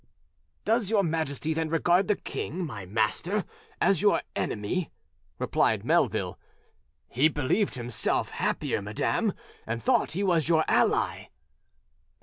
"Does your Majesty then regard the king, my master, as your enemy?" replied Melville. "He believed himself happier, madam, and thought he was your ally."